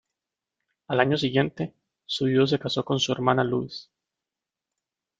Al año siguiente, su viudo se casó con su hermana Louise.